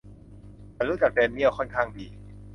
ฉันรู้จักแดนเนียลค่อนข้างดี